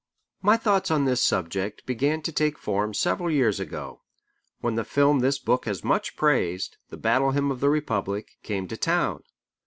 My thoughts on this subject began to take form several years ago, when the film this book has much praised, The Battle Hymn of the Republic, came to town.